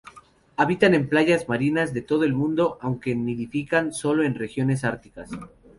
Habitan en playas marinas de todo el mundo, aunque nidifican sólo en regiones árticas.